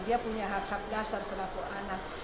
dia punya hak hak dasar selaku anak